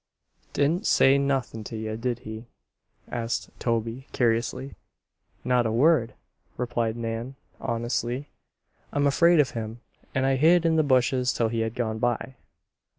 "Didn't say nothin' to ye, did he?" asked Toby, curiously. "Not a word," replied Nan, honestly. "I'm afraid of him and I hid in the bushes till he had gone by."